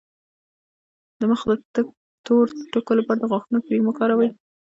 د مخ د تور ټکو لپاره د غاښونو کریم وکاروئ